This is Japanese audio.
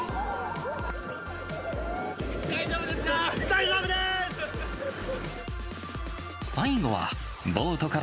大丈夫ですか？